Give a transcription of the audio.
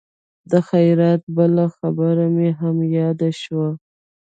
د خیرات بله خبره مې هم یاده شوه.